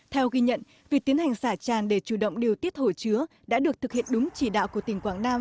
theo ghi nhận việc tiến hành xả tràn để chủ động điều tiết hồ chứa đã được thực hiện đúng chỉ đạo của tỉnh quảng nam